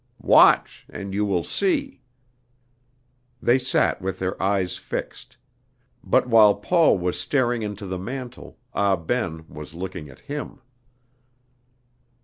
"Watch! and you will see." They sat with their eyes fixed; but while Paul was staring into the mantel, Ah Ben was looking at him.